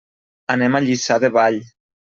Anem a Lliçà de Vall.